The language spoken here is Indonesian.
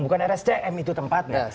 bukan rstm itu tempatnya